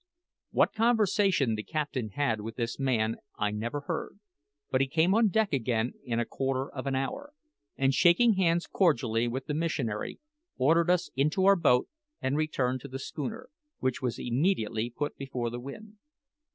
What conversation the captain had with this man I never heard; but he came on deck again in a quarter of an hour, and shaking hands cordially with the missionary, ordered us into our boat and returned to the schooner, which was immediately put before the wind.